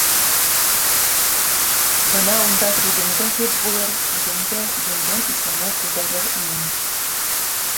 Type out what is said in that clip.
Бына унда һүҙең дә һүҙ булыр, үҙең дә еңгән исеме күтәрер инең.